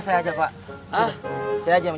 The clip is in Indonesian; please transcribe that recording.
sudah pak biar saya aja pak